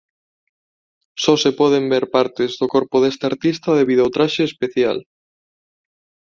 Só se poden ver partes do corpo deste artista debido ao traxe especial.